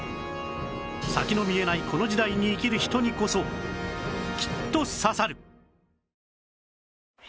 先の見えないこの時代に生きる人にこそきっと刺さる